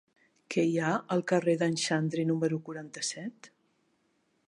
Què hi ha al carrer d'en Xandri número quaranta-set?